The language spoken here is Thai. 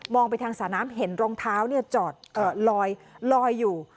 ไปทางสระน้ำเห็นรองเท้าจอดลอยอยู่